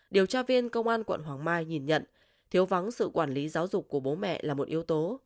điều tra viên công an quận hoàng mai nhìn nhận thiếu vắng sự quản lý giáo dục của bố mẹ là một yếu tố